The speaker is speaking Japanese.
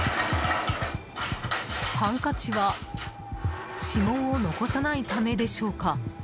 ハンカチは指紋を残さないためでしょうか。